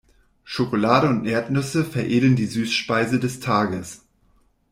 Schokolade und Erdnüsse veredeln die Süßspeise des Tages.